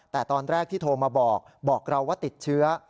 แต่ตอนแรกที่โทรมาบอกบอกเราว่าติดเชื้อ